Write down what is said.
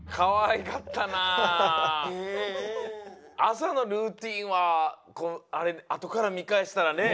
朝のルーティーンはあとから見かえしたらね